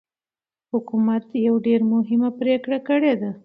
حکومت يوه ډېره مهمه پرېکړه کړې ده.